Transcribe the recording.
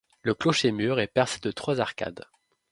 Le clocher-mur est percé de trois arcades.